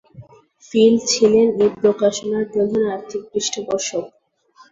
Field ছিলেন এই প্রকাশনার প্রধান আর্থিক পৃষ্ঠপোষক।